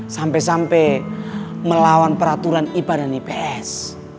sampai sampai melawan peraturan ipa dan ips